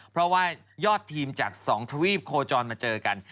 เพราะว่ายอดทีมจาก๒ทวีปโคจรมาเจอกัน